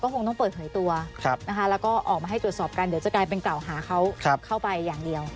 คงต้องเปิดเผยตัวนะคะแล้วก็ออกมาให้ตรวจสอบกันเดี๋ยวจะกลายเป็นกล่าวหาเขาเข้าไปอย่างเดียว